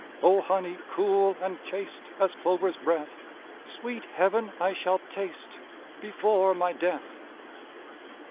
O honey cool and chaste As clover's breath! Sweet Heaven I shall taste Before my death.